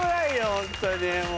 ホントにもう。